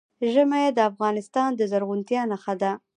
ژمی د افغانستان د زرغونتیا نښه ده.